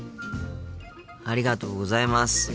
ありがとうございます。